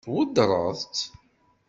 Tweddṛeḍ-tt?